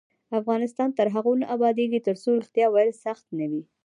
افغانستان تر هغو نه ابادیږي، ترڅو ریښتیا ویل سخت نه وي.